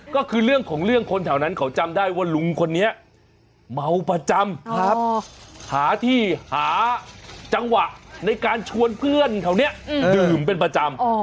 ก็คือเรื่องของเรื่องคนแถวนั้นเขาจำได้ว่าลุงคนนี้เมาประจำหาที่หาจังหวะในการชวนเพื่อนแถวนี้ดื่มเป็นประจำ